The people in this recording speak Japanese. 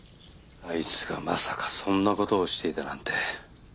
あいつがまさかそんな事をしていたなんて。